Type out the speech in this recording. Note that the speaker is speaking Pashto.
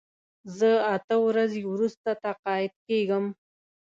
زه اته ورځې وروسته تقاعد کېږم.